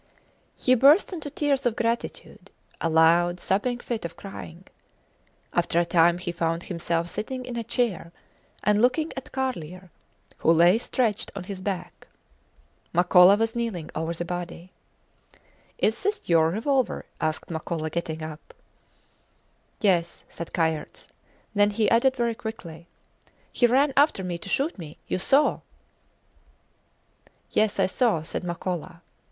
He burst into tears of gratitude; a loud, sobbing fit of crying. After a time he found himself sitting in a chair and looking at Carlier, who lay stretched on his back. Makola was kneeling over the body. Is this your revolver? asked Makola, getting up. Yes, said Kayerts; then he added very quickly, He ran after me to shoot me you saw! Yes, I saw, said Makola.